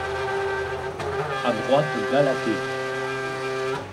À droite, Galatée.